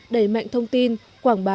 đẩy mạnh thông tin quảng bá